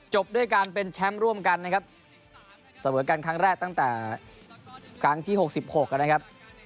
ด้วยการเป็นแชมป์ร่วมกันนะครับเสมอกันครั้งแรกตั้งแต่ครั้งที่๖๖นะครับ